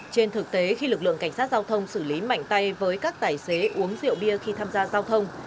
trên thực tế khi lực lượng cảnh sát giao thông xử lý mảnh tay với các tài xế uống rượu bia khi tham gia giao thông